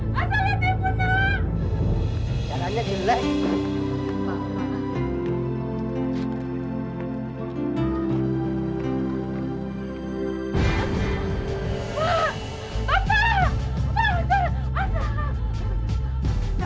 nanti tak bikin makanan ya